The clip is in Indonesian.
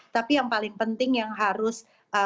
tapi yang paling penting yang harus